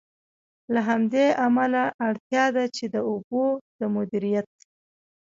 له همدې امله، اړتیا ده چې د اوبو د مدیریت.